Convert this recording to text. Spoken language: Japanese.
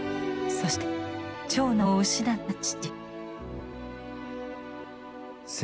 そして長男を失った父。